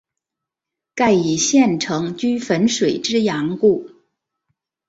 盖以县城居汾水之阳故。